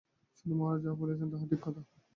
মনু মহারাজ যাহা বলিয়াছেন, তাহা ঠিক কথা।